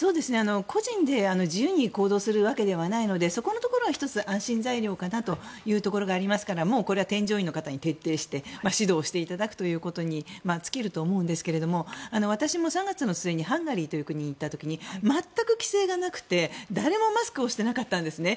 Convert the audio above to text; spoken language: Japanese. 個人で自由に行動するわけではないのでそこのところは１つ安心材料かなというところがありますからもうこれは添乗員の方に徹底して指導していただくということに尽きると思うんですが私も３月の末にハンガリーという国に行った時に全く規制がなくて、誰もマスクをしてなかったんですね。